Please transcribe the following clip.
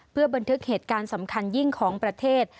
เพื่อบันทึกเหตุการณ์สำคัญยิ่งของประเทศ